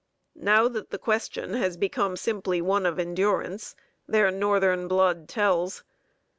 Now that the question has become simply one of endurance, their Northern blood tells.